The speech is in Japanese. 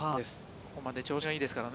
ここまで調子がいいです。